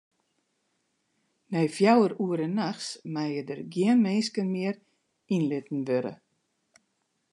Nei fjouwer oere nachts meie der gjin minsken mear yn litten wurde.